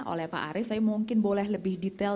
oleh pak arief tapi mungkin boleh lebih detail